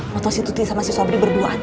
foto si tuti sama si sobri berduaan